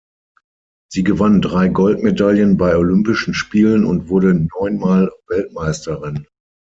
Sie gewann drei Goldmedaillen bei Olympischen Spielen und wurde neunmal Weltmeisterin.